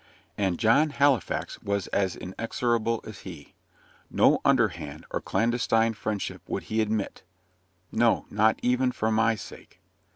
And John Halifax was as inexorable as he. No under hand or clandestine friendship would he admit no, not even for my sake.